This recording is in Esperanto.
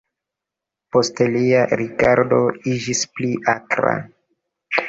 Poste lia rigardo iĝis pli akra.